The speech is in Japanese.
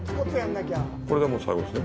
これがもう最後ですね？